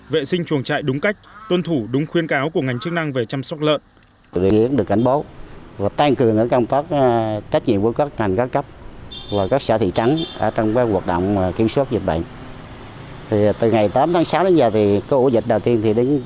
vệ sinh chuồng trại đúng cách tuân thủ đúng khuyên cáo của ngành chức năng về chăm sóc lợn